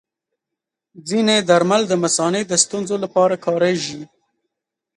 ځینې درمل د مثانې د ستونزو لپاره کارېږي.